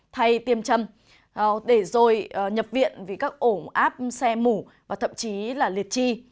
thay tiêm châm để rồi nhập viện vì các ổ áp xe mủ và thậm chí liệt chi